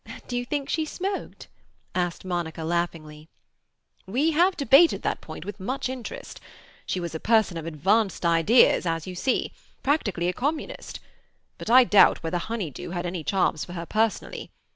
"Do you think she smoked?" asked Monica laughingly. "We have debated that point with much interest. She was a person of advanced ideas, as you see; practically a communist. But I doubt whether honeydew had any charms for her personally.